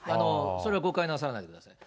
それは誤解なさらないでください。